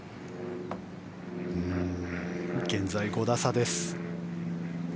現在、５打差です。